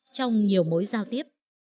trong nhiều mối giao tiếp